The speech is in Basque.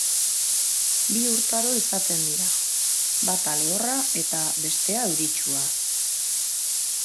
Bi urtaro izaten dira, bata lehorra eta bestea euritsua.